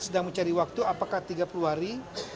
sedang mencari waktu apakah tiga puluh hari